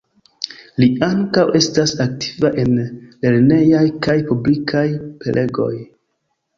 Li ankaŭ estas aktiva en lernejaj kaj publikaj prelegoj.